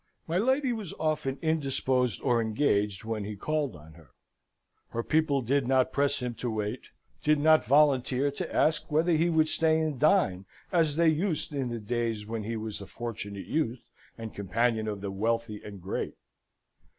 My lady was often indisposed or engaged when he called on her; her people did not press him to wait; did not volunteer to ask whether he would stay and dine, as they used in the days when he was the Fortunate Youth and companion of the wealthy and great.